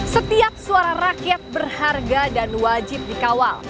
setiap suara rakyat berharga dan wajib dikawal